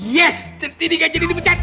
yes centini gak jadi dipecat